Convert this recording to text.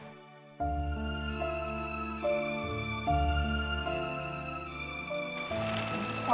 terima kasih pak